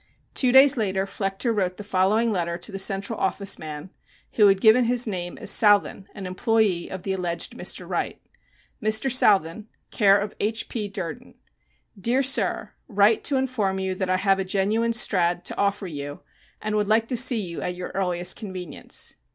Two days later Flechter wrote the following letter to the Central Office man, who had given his name as Southan, an employe of the alleged Mr. Wright: MR. SOUTHAN, care of H. P. Durden. Dear Sir: Write to inform you that I have a genuine Strad. to offer you and would like to see you at your earliest convenience.